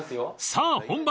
［さあ本番！